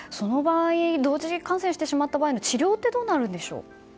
同時感染してしまった場合の治療はどうなるんでしょうか？